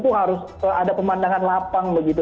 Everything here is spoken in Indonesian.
itu harus ada pemandangan lapang begitu